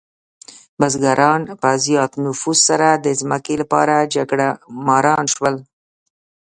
بزګران په زیات نفوس سره د ځمکې لپاره جګړهماران شول.